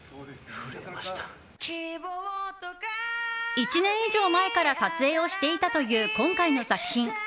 １年以上前から撮影をしていたという今回の作品。